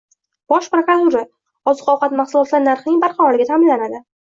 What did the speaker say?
Bosh prokuratura: Oziq-ovqat mahsulotlari narxining barqarorligi ta’minlanadi